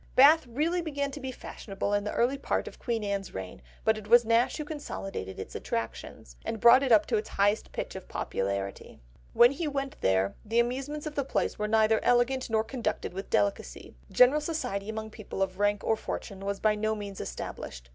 Bath really began to be fashionable in the early part of Queen Anne's reign, but it was Nash who consolidated its attractions, and brought it up to its highest pitch of popularity. [Illustration: FAÇADE OF THE PUMP ROOM, BATH, IN THE EIGHTEENTH CENTURY] When he went there "the amusements of the place were neither elegant nor conducted with delicacy. General society among people of rank or fortune was by no means established.